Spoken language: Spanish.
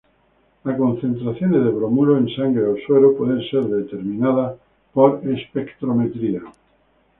Las concentraciones de bromuro en sangre o suero pueden ser determinadas por espectrometría.